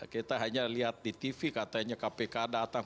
kita hanya lihat di tv katanya kpk datang